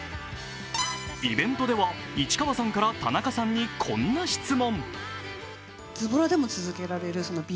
イベントでは市川さんから田中さんにこんな質問。